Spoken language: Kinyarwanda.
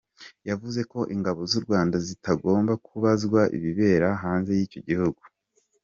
Yavuze ko ingabo z’u Rwanda zitagomba kubazwa ibibera hanze y’icyo gihugu.